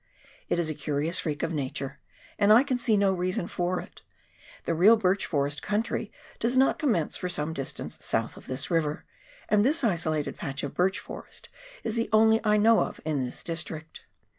It is a curious freak of nature, and I can see no reason for it ; the real birch forest country does not commence for some distance south of this river, and this isolated patch of birch forest is the only one I know in this district.